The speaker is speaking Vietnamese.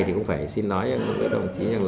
thì cũng phải xin nói với đồng chí